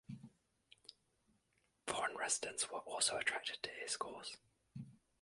Foreign residents were also attracted to his cause.